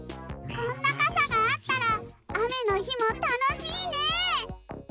こんなかさがあったらあめのひもたのしいね！